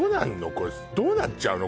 これどうなっちゃうの？